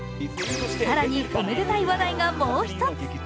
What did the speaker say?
更に、おめでたい話題がもう一つ。